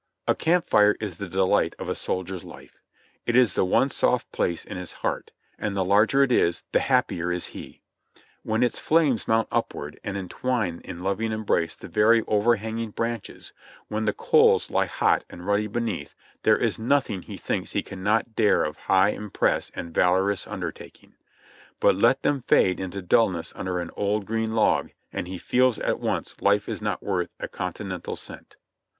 A camp fire is the delight of a soldier's life ; it is the one soft place in his heart ; and the larger it is, the happier is he. When its flames mount upward and entwine in loving embrace the very overhanging branches, when the coals lie hot and ruddy beneath, there is nothing he thinks he cannot dare of high emprise and valorous undertaking; but let them fade into dullness under an old green log, and he feels at once life is not worth a continental cent.